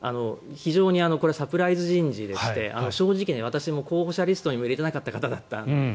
非常にこれはサプライズ人事でして私も候補リストに入れていなかった方なんです。